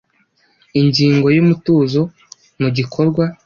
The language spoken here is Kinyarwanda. Ingingo ya Umutuzo mu gikorwa